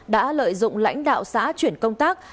đã lợi dụng lãnh đạo xã chuyển công tác